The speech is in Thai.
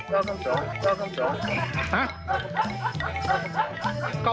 เลข๙กับ๒